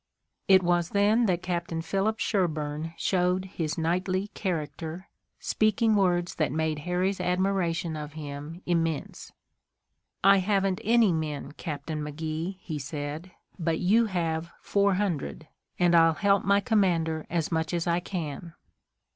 It was then that Captain Philip Sherburne showed his knightly character, speaking words that made Harry's admiration of him immense. "I haven't any men, Captain McGee," he said, "but you have four hundred, and I'll help my commander as much as I can."